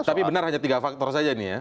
tapi benar hanya tiga faktor saja ini ya